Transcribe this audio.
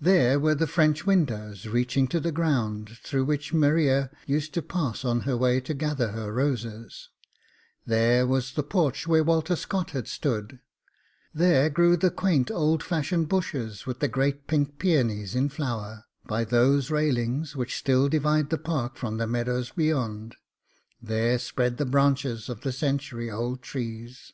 There were the French windows reaching to the ground, through which Maria used to pass on her way to gather her roses; there was the porch where Walter Scott had stood; there grew the quaint old fashioned bushes with the great pink peonies in flower, by those railings which still divide the park from the meadows beyond; there spread the branches of the century old trees.